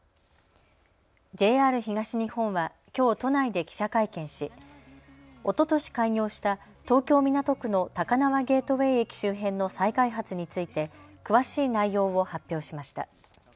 ＪＲ東日本はきょう都内で記者会見しおととし開業した東京港区の高輪ゲートウェイ駅周辺の再開発について詳しい内容を発表しました。